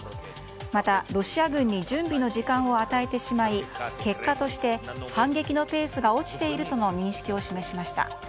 またロシア軍に準備の時間を与えてしまい結果として反撃のペースが落ちているとの認識を示しました。